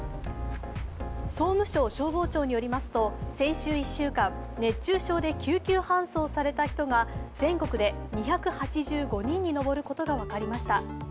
総務省消防庁によりますと、先週１週間、熱中症で救急搬送された人が全国で２８５人に上ることが分かりました。